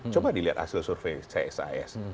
coba dilihat hasil survei csis